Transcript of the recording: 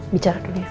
bicara dulu ya